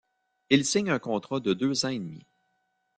Il signe un contrat de deux ans et demi.